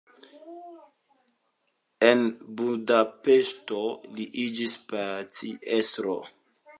En Budapeŝto li iĝis partiestro.